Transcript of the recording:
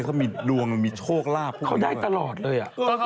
เขามีดวงมีโชคลาภเขาได้ตลอดเลย